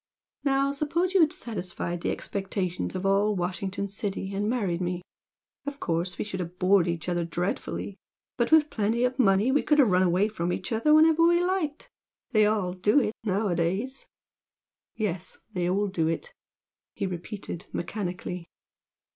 Now, suppose you had satisfied the expectations of all Washington City and married me, of course we should have bored each other dreadfully but with plenty of money we could have run away from each other whenever we liked they all do it nowadays!" "Yes they all do it!" he repeated, mechanically.